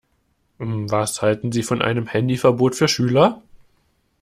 Was halten Sie von einem Handyverbot für Schüler?